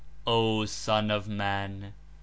O SON OF MAN!